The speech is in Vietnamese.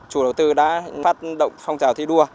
chủ đầu tư đã phát động phong trào thi đua